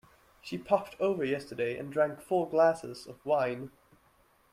She popped over yesterday and drank four glasses of wine!